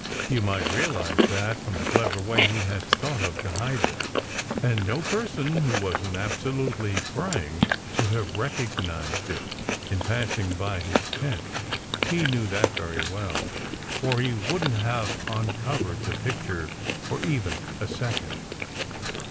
You might realize that from the clever way he has thought of, to hide it; and no person who wasn t absolutely prying could have recognized it in passing by his tent. He knew that very well, or he wouldn t have un covered the picture for even a second."